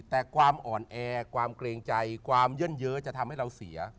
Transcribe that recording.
แต่ความอ่อนแอความเกรงใจความเยื่อนเยอะจะทำให้เราเสีย